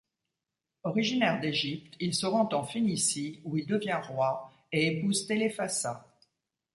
Originaire d’Égypte, il se rend en Phénicie où il devient roi et épouse Téléphassa.